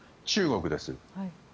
中国です。